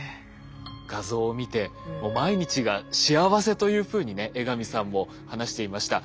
画像を見て毎日が幸せというふうにね江上さんも話していました。